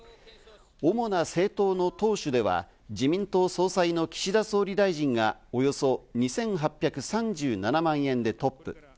主な政党の党首では自民党総裁の岸田総理大臣がおよそ２８３７万円でトップ。